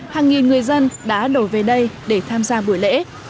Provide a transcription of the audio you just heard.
hàng nghìn người dân đã đổ về đây để tham gia buổi lễ